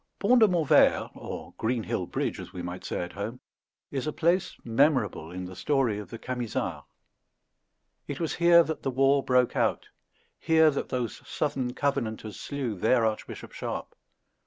Pont de Montvert, or Greenhill Bridge, as we might say at home, is a place memorable in the story of the Camisards. It was here that the war broke out; here that those southern Covenanters slew their Archbishop Sharpe.